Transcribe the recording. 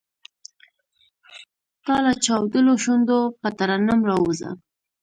تۀ لۀ چاودلو شونډو پۀ ترنم راووځه !